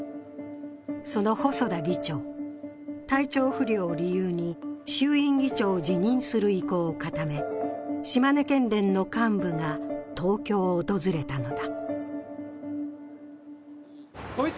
その細田議長、体調不良を理由に衆院議長を辞任する意向を固め、島根県連の幹部が東京を訪れたのだ。